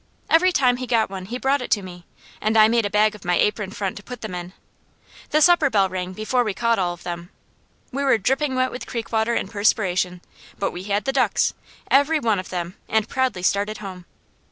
Every time he got one he brought it to me, and I made a bag of my apron front to put them in. The supper bell rang before we caught all of them. We were dripping wet with creek water and perspiration, but we had the ducks, every one of them, and proudly started home.